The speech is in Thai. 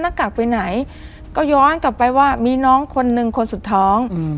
กากไปไหนก็ย้อนกลับไปว่ามีน้องคนหนึ่งคนสุดท้องอืม